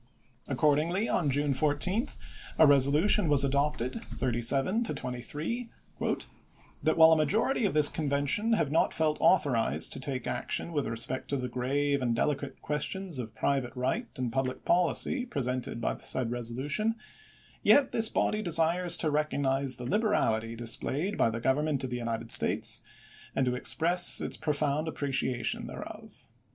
Accordingly, on 1862. June 14, a resolution was adopted (37 to 23), "That while a majority of this Convention have not felt authorized to take action with respect to the grave and delicate questions of private right and public policy presented by said resolution, yet "Conven this body desires to recognize the liberality dis cl'edings," played by the Government of the United States, pp. 233, 252. and to express its profound appreciation thereof."